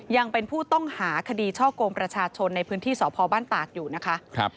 ยังเป็นผู้ต้องหาคดีช่อกงประชาชนในพื้นที่สพบ้านตากอยู่นะคะ